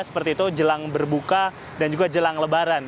seperti itu jelang berbuka dan juga jelang lebaran